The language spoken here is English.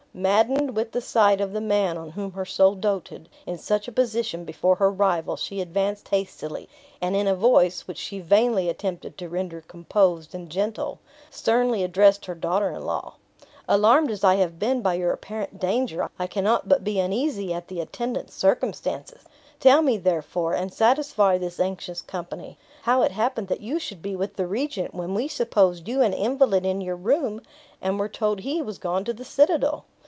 Maddened with the sight of the man on whom her soul doted, in such a position before her rival, she advanced hastily; and in a voice, which she vainly attempted to render composed and gentle, sternly addressed her daughter in law: "Alarmed as I have been by your apparent danger, I cannot but be uneasy at the attendant circumstances; tell me, therefore, and satisfy this anxious company, how it happened that you should be with the regent, when we supposed you an invalid in your room, and were told he was gone to the citadel?"